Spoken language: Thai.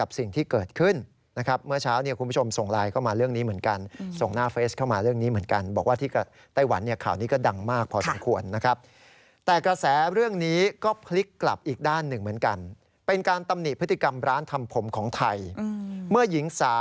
พิษกรรมหลานทำผมของไทย